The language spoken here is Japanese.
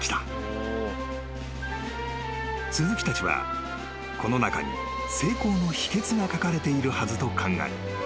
［鈴木たちはこの中に成功の秘訣が書かれているはずと考え